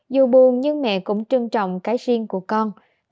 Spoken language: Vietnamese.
dù buồn nhưng mẹ cũng trân trọng cái riêng của con